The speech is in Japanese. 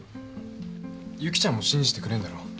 由岐ちゃんも信じてくれんだろ？